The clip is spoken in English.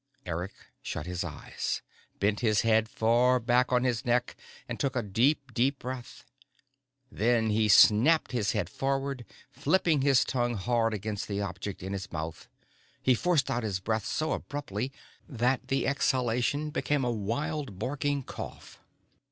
Eric shut his eyes, bent his head far back on his neck and took a deep, deep breath. Then he snapped his head forward, flipping his tongue hard against the object in his mouth. He forced out his breath so abruptly that the exhalation became a wild, barking cough.